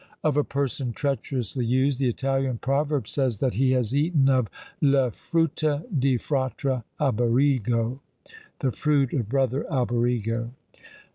Of a person treacherously used, the Italian proverb says that he has eaten of Le frutte di fratre Alberigo. The fruit of brother Alberigo.